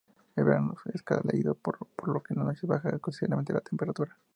El verano es cálido pero por las noches baja considerablemente la temperatura.